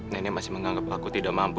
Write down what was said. nenek masih menganggap pelaku tidak mampu